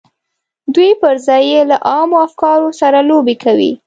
دوی پر ځای یې له عامو افکارو سره لوبې کوي